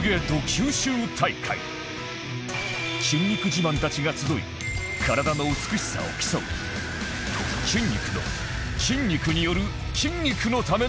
筋肉自慢たちが集い体の美しさを競う筋肉の筋肉による筋肉のための祭典